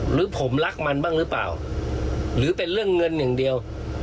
หรือผมรักมันบ้างหรือเปล่าหรือเป็นเรื่องเงินอย่างเดียว